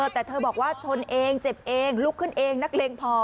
แต่เธอบอกว่าชนเองเจ็บเองลุกขึ้นเองนักเลงพอ